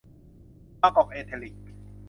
บางกอกเอธเลติก